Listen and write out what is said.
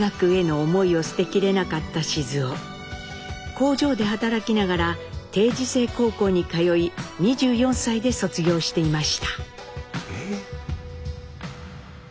工場で働きながら定時制高校に通い２４歳で卒業していました。